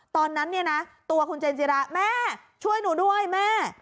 ตอนนั้นเนี่ยนะตัวคุณเจนจิราแม่ช่วยหนูด้วยแม่